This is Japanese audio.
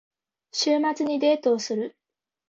週末にデートをする。